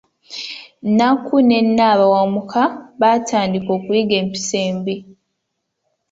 Nnakku ne Nabawamuka baatandika okuyiga empisa embi.